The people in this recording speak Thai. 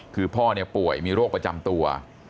คือพ่อป่วยมีโรคประจำตัว